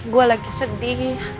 gue lagi sedih